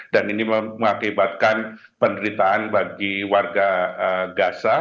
dan ini mengakibatkan penderitaan bagi warga gaza